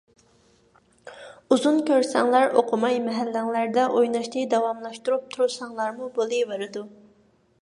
ئۇزۇن كۆرسەڭلار ئوقۇماي مەھەللەڭلەردە ئويناشنى داۋاملاشتۇرۇپ تۇرساڭلارمۇ بولۇۋېرىدۇ.